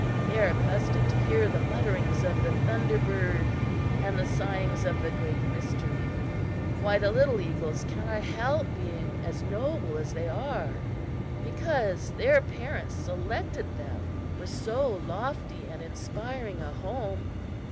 They are accustomed to hear the mutterings of the Thunder Bird and the sighings of the Great Mystery. Why, the little eagles cannot help being as noble as they are, because their parents selected for them so lofty and inspiring a home!